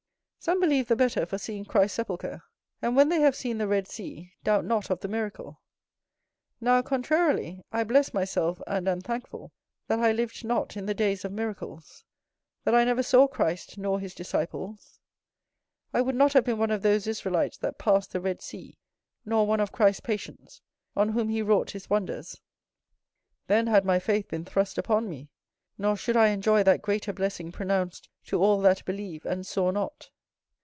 Some believe the better for seeing Christ's sepulchre; and, when they have seen the Red Sea, doubt not of the miracle. Now, contrarily, I bless myself, and am thankful, that I lived not in the days of miracles; that I never saw Christ nor his disciples. I would not have been one of those Israelites that passed the Red Sea; nor one of Christ's patients, on whom he wrought his wonders: then had my faith been thrust upon me; nor should I enjoy that greater blessing pronounced to all that believe and saw not.